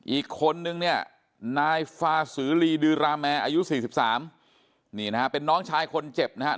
อีกคนนึงเนี่ยนายฟาสือลีดือราแมร์อายุ๔๓นี่นะฮะเป็นน้องชายคนเจ็บนะครับ